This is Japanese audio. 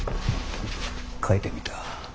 書いてみた。